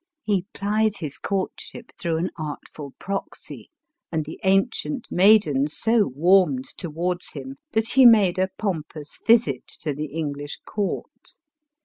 He plied his courtship through an artful proxy, and the ancient maiden, so warmed towards him, that he made a pom pous visit to the English court.